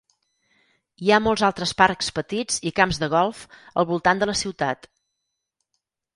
Hi ha molts altres parcs petits i camps de golf al voltant de la ciutat.